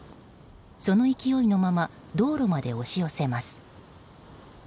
その勢いのまま道路まで押し寄せます。